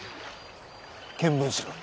検分しろ。